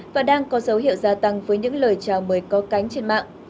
và đang có dấu hiệu gia tăng với những lời trao mới có cánh trên mạng